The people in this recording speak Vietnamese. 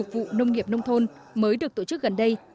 vụ nông nghiệp nông thôn mới được tổ chức gần đây